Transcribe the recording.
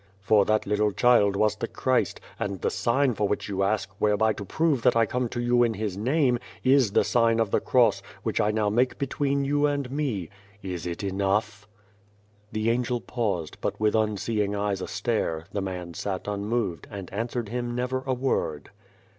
"For that little child was the Christ, and the sign for which you ask, whereby to prove that I come to you in His Name, is the sign 73 The Face of the Cross, which I now make between you and me. Is it enough ?" The Angel paused, but, with unseeing eyes astare, the man sat unmoved, and answered him never a word.